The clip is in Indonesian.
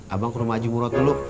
abang ke rumah aja murah dulu